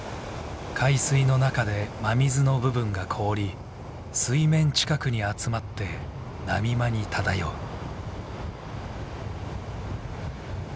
海水の中で真水の部分が凍り水面近くに集まって波間に漂う。